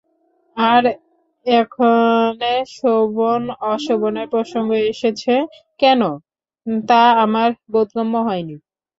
আর এখনে শোভন-অশোভনের প্রসঙ্গ এসেছে কেন, তা আমার বোধগম্য হয়নি।